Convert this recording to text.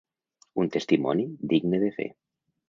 Un testimoni digne de fe.